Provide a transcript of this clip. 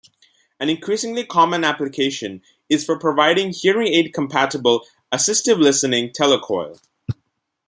An increasingly common application is for providing hearing aid-compatible "assistive listening" telecoil.